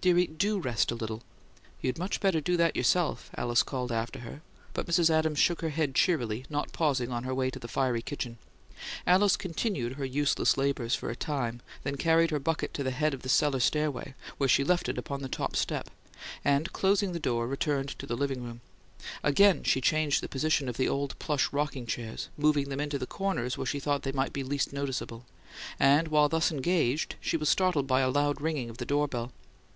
Dearie, DO rest a little." "You'd much better do that yourself," Alice called after her, but Mrs. Adams shook her head cheerily, not pausing on her way to the fiery kitchen. Alice continued her useless labours for a time; then carried her bucket to the head of the cellar stairway, where she left it upon the top step; and, closing the door, returned to the "living room;" Again she changed the positions of the old plush rocking chairs, moving them into the corners where she thought they might be least noticeable; and while thus engaged she was startled by a loud ringing of the door bell.